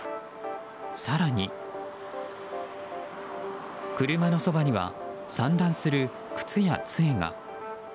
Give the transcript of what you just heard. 更に、車のそばには散乱する靴や杖が。